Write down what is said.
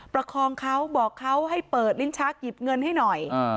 ประคองเขาบอกเขาให้เปิดลิ้นชักหยิบเงินให้หน่อย